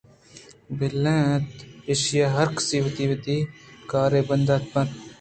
بل اِت ایشیءَ ہرکس وتی وتی کاراں بندات بہ کنت